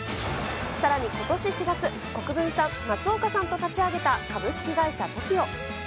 さらに、ことし４月、国分さん、松岡さんと立ち上げた株式会社ＴＯＫＩＯ。